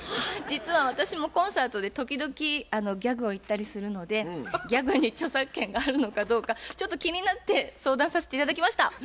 実は私もコンサートで時々ギャグを言ったりするのでギャグに著作権があるのかどうかちょっと気になって相談させて頂きました。